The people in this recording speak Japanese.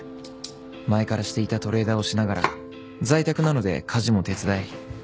前からしていたトレーダーをしながら在宅なので家事も手伝い。